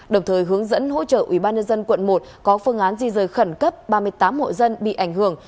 đồng thời hướng dẫn hỗ trợ ubnd quận một có phương án di rời khẩn cấp ba mươi tám hộ dân bị ảnh hưởng